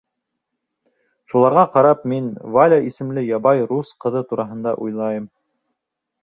Шуларға ҡарап, мин Валя исемле ябай рус ҡыҙы тураһында уйлайым.